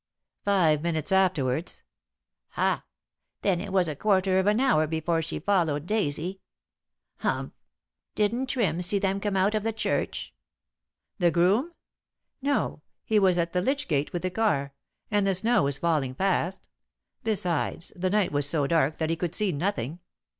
"Five minutes afterwards." "Ha! Then it was a quarter of an hour before she followed Daisy. Humph! Didn't Trim see them come out of the church?" "The groom? No, he was at the lych gate with the car, and the snow was falling fast; besides, the night was so dark that he could see nothing.